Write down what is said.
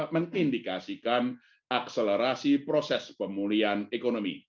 mengindikasikan akselerasi proses pemulihan ekonomi